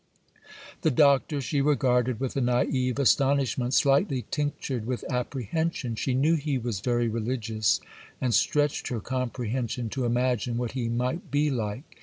The Doctor she regarded with a naïve astonishment, slightly tinctured with apprehension. She knew he was very religious, and stretched her comprehension to imagine what he might be like.